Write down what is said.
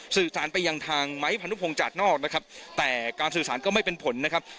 สื่อสารไปยังทางไม้พานุพงศาสนอกนะครับแต่การสื่อสารก็ไม่เป็นผลนะครับ